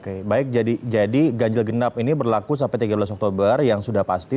oke baik jadi ganjil genap ini berlaku sampai tiga belas oktober yang sudah pasti